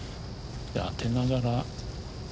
当てながら。